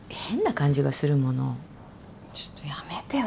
ちょっとやめてよ。